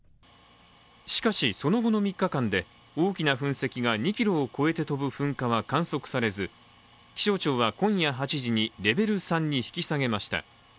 しかしその後の３日間で大きな噴石が２キロを超えて飛ぶ噴火は観測されず、気象庁は今夜８時にレベル３に引き下げました。